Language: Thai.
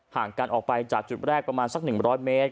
ห่างกันออกไปจากจุดแรกประมาณสัก๑๐๐เมตร